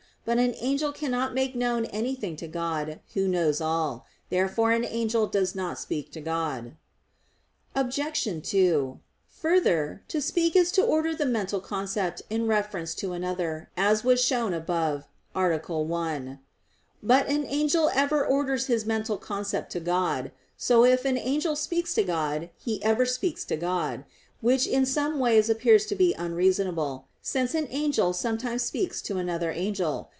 But an angel cannot make known anything to God, Who knows all things. Therefore an angel does not speak to God. Obj. 2: Further, to speak is to order the mental concept in reference to another, as was shown above (A. 1). But an angel ever orders his mental concept to God. So if an angel speaks to God, he ever speaks to God; which in some ways appears to be unreasonable, since an angel sometimes speaks to another angel.